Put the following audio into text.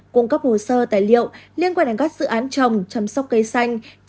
cung cấp hồ sơ tài liệu liên quan đến các dự án trồng chăm sóc cây xanh